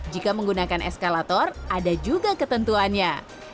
jika menggunakan eskalator ada juga ketentuannya